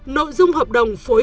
nội dung hợp đồng phổ biến